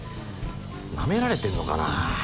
ナメられてんのかな？